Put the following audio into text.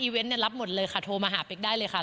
เวนต์รับหมดเลยค่ะโทรมาหาเป๊กได้เลยค่ะ